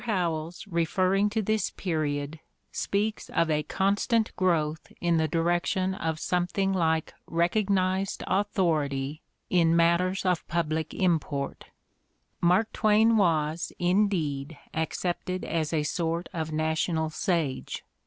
Howells, referring to this period, speaks of "a constant growth in the direction of something like recognized authority in matters of public import": Mark Twain was, indeed, accepted as a sort of national sage.